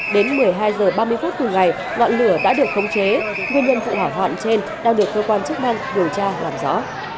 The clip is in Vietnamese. đến một mươi hai h ba mươi phút cùng ngày ngọn lửa đã được khống chế nguyên nhân vụ hỏa hoạn trên đang được cơ quan chức năng điều tra làm rõ